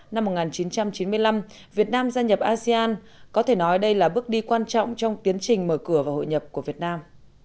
năm một nghìn chín trăm chín mươi năm việt nam gia nhập asean có thể nói đây là bước đi quan trọng trong tiến trình mở cửa và hội nhập của việt nam